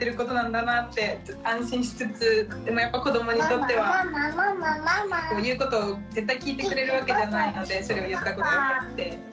でもやっぱ子どもにとっては言うことを絶対聞いてくれるわけじゃないのでそれを言ったことによって。